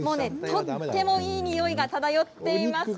とてもいいにおいが漂っています。